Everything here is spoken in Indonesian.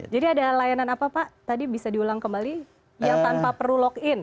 jadi ada layanan apa pak tadi bisa diulang kembali yang tanpa perlu login